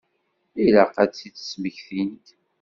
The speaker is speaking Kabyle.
Ilaq ad tt-id-smektint.